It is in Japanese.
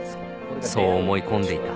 そう思い込んでいた